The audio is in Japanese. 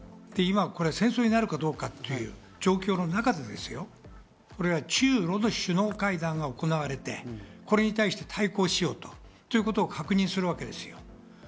今、戦争になるかどうかっていう状況の中で中露の首脳会談が行われてこれに対して対抗しようということを確認するわけですよ。